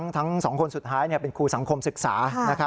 ทั้ง๒คนสุดท้ายเป็นครูสังคมศึกษา